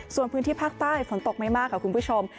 ส่วนพื้นที่ภาคใต้ฝนตกไม่มากค่ะคุณผู้ชม